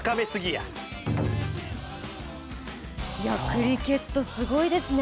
クリケットすごいですね。